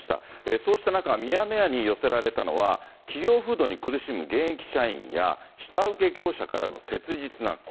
そうした中、ミヤネ屋に寄せられたのは、企業風土に苦しむ現役社員や下請け業者からの切実な声。